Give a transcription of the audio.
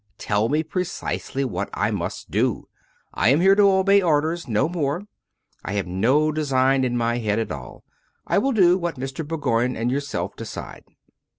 Tell me pre cisely what I must do. I am here to obey orders — no more. I have no design in my head at all. I will do what Mr. Bourgoign and yourself decide."